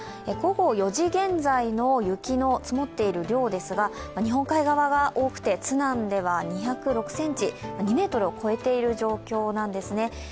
午後４時現在の雪の積もっている量ですが、日本海側は多くて津南では２０６ｃｍ、２ｍを超えている状況なんですね。